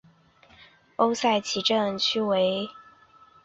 欧塞奇镇区为位在美国堪萨斯州克劳福德县的镇区。